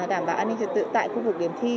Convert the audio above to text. đảm bảo an ninh trật tự tại khu vực điểm thi